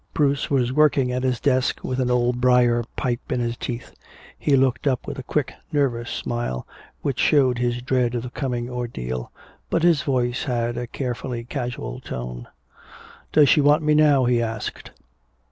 Bruce was working at his desk, with an old briar pipe in his teeth. He looked up with a quick nervous smile which showed his dread of the coming ordeal, but his voice had a carefully casual tone. "Does she want me now?" he asked.